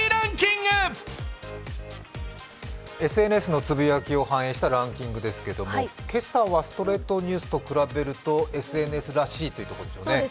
ＳＮＳのつぶやきを反映したランキングですけど今朝はストレートニュースと比べるとＳＮＳらしいということですね。